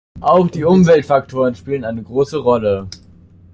Auch die Umweltfaktoren spielen eine große Rolle.